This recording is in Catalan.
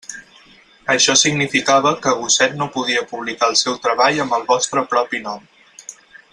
Això significava que Gosset no podia publicar el seu treball amb el vostre propi nom.